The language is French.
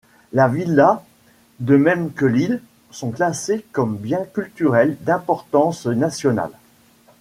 La villa, de même que l'île, sont classés comme biens culturels d'importance nationale.